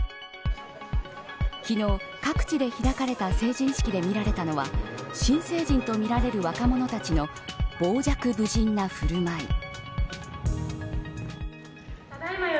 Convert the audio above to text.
昨日、各地で開かれた成人式で見られたのは新成人とみられる若者たちの傍若無人な振る舞い。